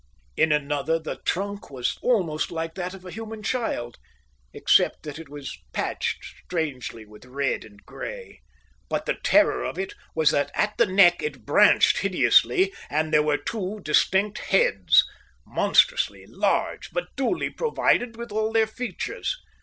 In another the trunk was almost like that of a human child, except that it was patched strangely with red and grey. But the terror of it was that at the neck it branched hideously, and there were two distinct heads, monstrously large, but duly provided with all their features.